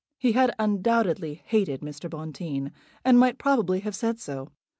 He had undoubtedly hated Mr. Bonteen, and might probably have said so.